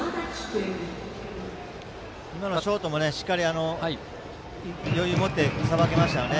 今のはショートもしっかり余裕持ってさばけましたよね。